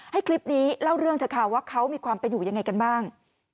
ให้คลิปนี้เล่าเรื่องเถอะค่ะว่าเขามีความเป็นอยู่ยังไงกันบ้าง